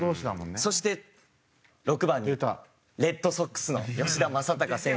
そして６番にレッドソックスの吉田正尚選手。